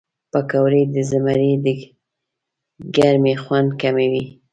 پکورې د زمري د ګرمۍ خوند کموي